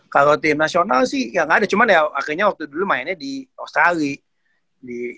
kalau tim nasional sih ya nggak ada cuman ya akhirnya waktu dulu mainnya di australia